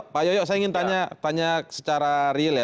pak yoyo saya ingin tanya secara real ya